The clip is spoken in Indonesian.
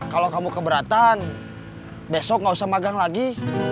kalau kamu keberatan besok gak usah magang lagi